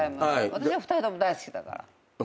私は２人とも大好きだから。